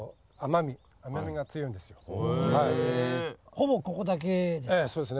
ほぼここだけですか？